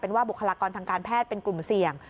ว่าบุคลากรทางการแพทย์เป็นกลุ่มเสี่ยง